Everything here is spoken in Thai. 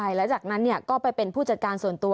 แล้วจากนั้นก็ไปเป็นผู้จัดการส่วนตัว